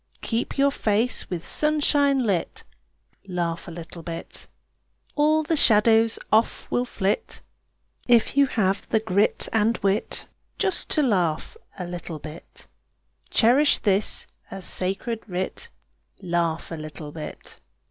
Keep your face with sunshine lit, Laugh a little bit. All the shadows off will flit, If you have the grit and wit Just to laugh a little bit. Cherish this as sacred writ Laugh a little bit.